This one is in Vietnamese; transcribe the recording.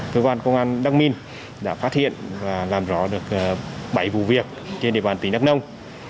cơ quan công an đăng minh đã phát hiện và làm rõ được bảy vụ việc trên địa bàn tỉnh đắk nông